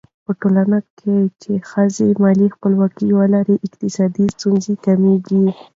په ټولنه کې چې ښځو مالي خپلواکي ولري، اقتصادي ستونزې کمېږي.